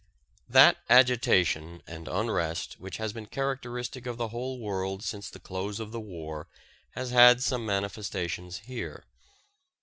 That agitation and unrest which has been characteristic of the whole world since the close of the war has had some manifestations here.